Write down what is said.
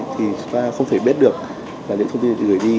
thì chúng ta không thể biết được là những thông tin gửi đi